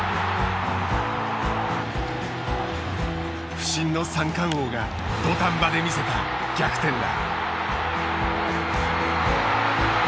不振の三冠王が土壇場で見せた逆転打。